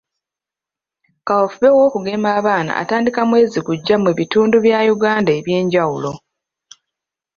Kaweefube w'okugema abaana atandika mwezi gujja mu bitundu bya Uganda eby'enjawulo.